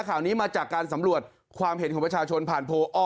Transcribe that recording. ข่าวนี้มาจากการสำรวจความเห็นของประชาชนผ่านโพลอ